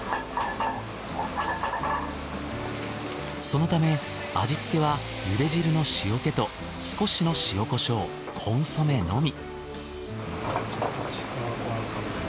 そのため味付けは茹で汁の塩気と少しの塩コショウコンソメのみ。